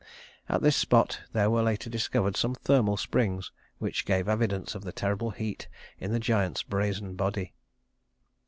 At this spot there were later discovered some thermal springs, which gave evidence of the terrible heat in the giant's brazen body.